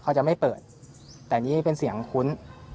เขาจะไม่เปิดแต่นี่เป็นเสียงคุ้น